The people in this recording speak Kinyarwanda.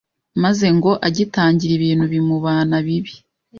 maze ngo agitangira ibintu bimubana bibi